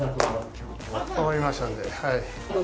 終わりましたんではい。